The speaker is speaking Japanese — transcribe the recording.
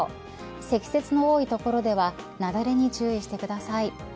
積雪の多い所では雪崩に注意してください。